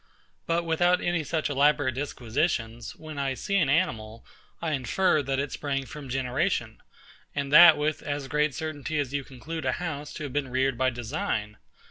But without any such elaborate disquisitions, when I see an animal, I infer, that it sprang from generation; and that with as great certainty as you conclude a house to have been reared by design.